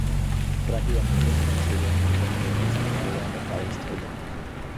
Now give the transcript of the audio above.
Rápidamente se construyeron otras líneas, incluida la París-Toulon.